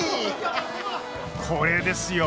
これですよ！